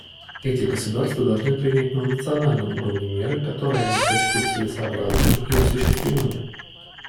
Эти государства должны принять на национальном уровне меры, которые они сочтут целесообразными и осуществимыми.